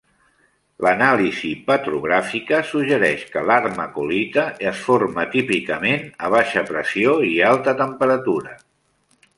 L'anàlisi petrogràfica suggereix que l'armalcolita es forma típicament a baixa pressió i alta temperatura.